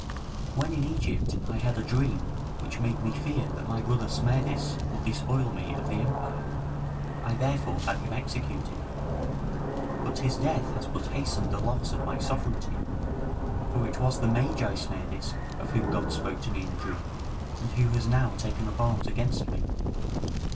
When in Egypt I had a dream which made me fear that my brother Smerdis would despoil me of the empire; I therefore had him executed. But his death has but hastened the loss of my sovereignty, for it was the Magi Smerdis of whom God spoke to me in a dream, and who has now taken up arms against me.